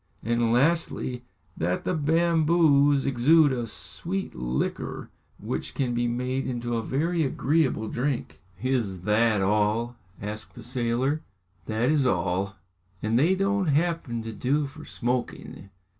"And lastly, that the bamboos exude a sweet liquor which can be made into a very agreeable drink." "Is that all?" asked the sailor. "That is all!" "And they don't happen to do for smoking?"